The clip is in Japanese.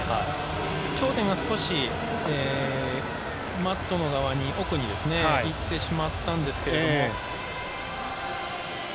頂点が少しマットの側に、奥にいってしまったんですけれども。